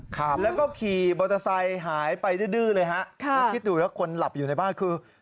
ครับแล้วก็ขี่มอเตอร์ไซค์หายไปดื้อดื้อเลยฮะค่ะแล้วคิดดูแล้วคนหลับอยู่ในบ้านคือ